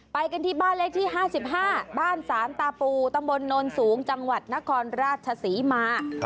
ไปกันที่บ้านเลขที่๕๕บ้านสานตาปูตำบลโนนสูงจังหวัดนครราชศรีมา